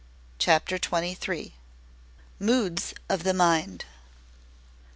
CHAPTER TWENTY THREE. MOODS OF THE MIND.